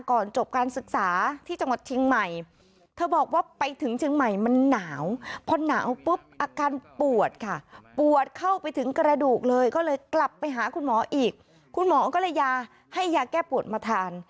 ก่อนจบการศึกษาที่จังหวัดเชียงใหม่เธอบอกว่าไปถึงเชียงใหม่มันหนาวพอหนาวปุ๊บอาการปวดค่ะปวดเข้าไปถึงกระดูกเลยก็เลยกลับไปหาคุณหมออีกคุณหมอก็เลยยาให้ยาแก้ปวดมาทาน